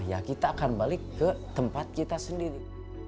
ya kita akan balik ke tempat kita sendiri